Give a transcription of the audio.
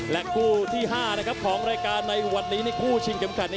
และคู่ที่๕ของรายการในวัดนี้คู่ชิงเก็มขัด